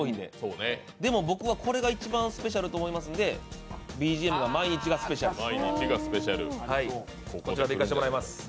でも、僕は、これが一番スペシャルと思いますので、ＢＧＭが「毎日がスペシャル」で。